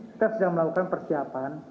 kita sedang melakukan persiapan